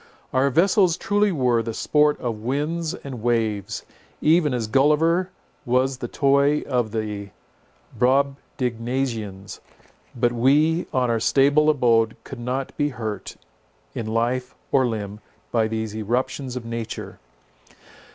Our vessels truly were the sport of winds and waves, even as Gulliver was the toy of the Brobdignagians; but we on our stable abode could not be hurt in life or limb by these eruptions of nature.